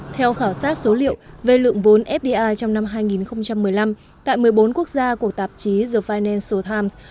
theo khảo sát số liệu về lượng vốn fdi trong năm hai nghìn một mươi năm tại một mươi bốn quốc gia của tạp chí the vinen so times